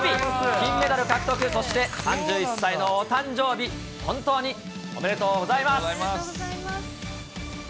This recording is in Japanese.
金メダル獲得、そして３１歳のお誕生日、本当におめでとうございます。